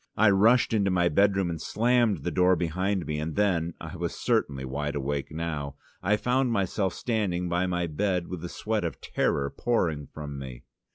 I rushed into my bedroom, and slammed the door behind me, and then I was certainly wide awake now I found myself standing by my bed with the sweat of terror pouring from me.